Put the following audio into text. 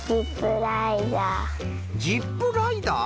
ジップライダー。